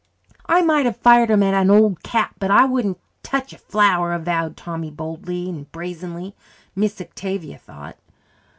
"I might have fired 'em at an old cat, but I wouldn't tech a flower," avowed Tommy boldly brazenly, Miss Octavia thought.